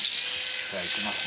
じゃいきますね。